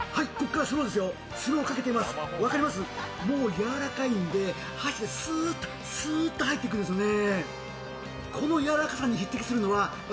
やわらかいんで箸ですーっと入っていくんですよね。